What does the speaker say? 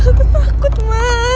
aku takut mbak